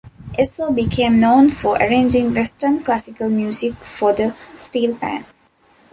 Esso became known for arranging Western classical music for the steelpan.